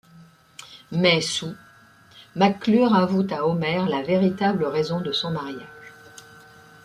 Mais saoul, McClure avoue à Homer la véritable raison de son mariage.